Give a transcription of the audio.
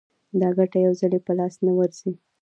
دا ګټه یو ځلي په لاس نه ورځي